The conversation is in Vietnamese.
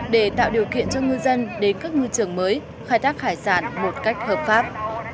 để tạo điều kiện cho ngư dân đến các ngư trường mới khai thác hải sản một cách hợp pháp